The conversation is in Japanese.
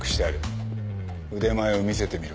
腕前を見せてみろ。